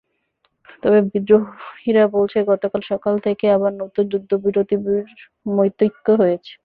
তবে বিদ্রোহীরা বলেছে, গতকাল সকাল থেকে আবার নতুন যুদ্ধবিরতির মতৈক্য হয়েছে।